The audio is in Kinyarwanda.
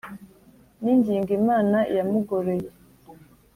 n' ingingo imana yamugoroye